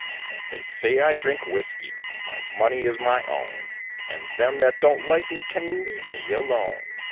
They say I drink whiskey; my money is my own, And them that don't like me can leave me alone.